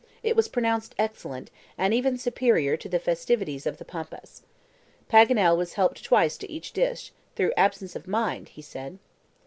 It was pronounced excellent, and even superior to the festivities of the Pampas. Paganel was helped twice to each dish, through "absence of mind," he said.